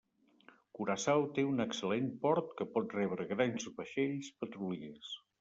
Curaçao té un excel·lent port que pot rebre grans vaixells petroliers.